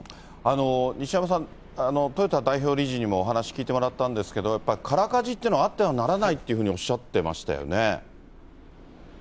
西山さん、豊田代表理事にもお話聞いてもらったんですけど、やっぱ空かじというのはあってはならないというふうにおっしゃってましたよね。